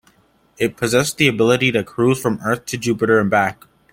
It possesses the ability to cruise from Earth to Jupiter and back.